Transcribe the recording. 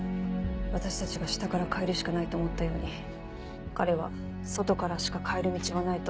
私たちが下から変えるしかないと思ったように彼は外からしか変える道はないと。